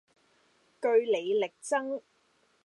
據理力爭